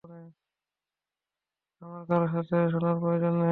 আমার কারো কথা শোনার প্রয়োজন নেই!